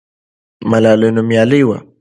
ملالۍ نومیالۍ وه.